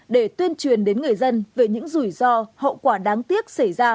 để tuyên truyền đến người dân về những rủi ro hậu quả đáng tiếc